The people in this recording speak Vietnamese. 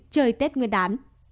chơi tết nguyên đán